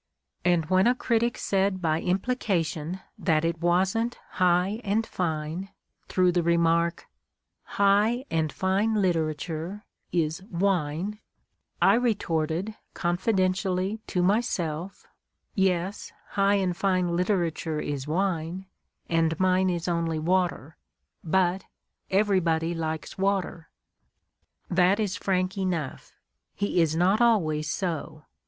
And when a critic said by implication that it wasn't high and fine, through the remark, 'High and fine literature is wine,' I retorted (confidentially to myself), 'Yes, high and fine literature is wine, and mine is only water; but everybody likes water.' " That is frank enough; he is not always so.